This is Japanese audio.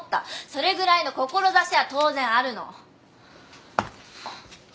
それぐらいの志は当然あるの。